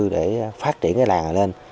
để phát triển cái làng này lên